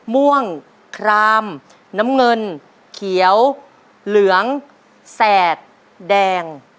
ม่วงครามน้ำเงินเขียวเหลืองแสกแดง